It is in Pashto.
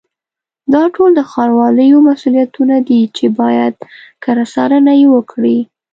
دا ټول د ښاروالیو مسؤلیتونه دي چې باید کره څارنه یې وکړي.